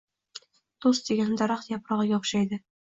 Do’st degani daraxt yaprog’iga o’xshaydi.